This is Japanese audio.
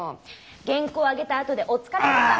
原稿上げたあとでお疲れでしたもん。